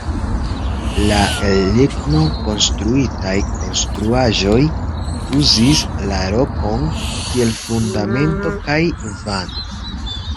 La el ligno konstruitaj konstruaĵoj uzis la rokon kiel fundamento kaj vando.